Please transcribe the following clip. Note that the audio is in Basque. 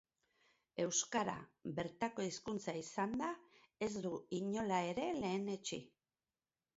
Euskara, bertako hizkuntza izanda, ez du inola ere lehenetsi.